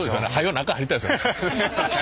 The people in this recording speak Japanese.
中入りたいですよね。